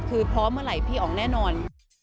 คือพร้อมเมื่อไหร่พี่ออกแน่นอน